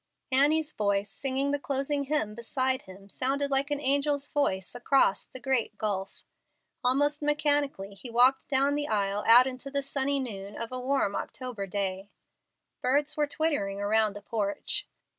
Annie's voice singing the closing hymn beside him sounded like an angel's voice across the "great gulf." Almost mechanically he walked down the aisle out into the sunny noon of a warm October day. Birds were twittering around the porch.